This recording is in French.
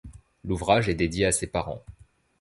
L'ouvrage est dédié à ses parents.